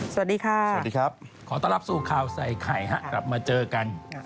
สวัสดีค่ะสวัสดีครับขอต้อนรับสู่ข่าวใส่ไข่ฮะกลับมาเจอกัน